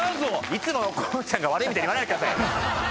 いつもこうちゃんが悪いみたいに言わないでくださいよ！